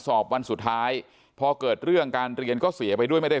วันสุดท้ายพอเกิดเรื่องการเรียนก็เสียไปด้วยไม่ได้